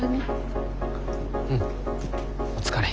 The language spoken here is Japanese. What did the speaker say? うんお疲れ。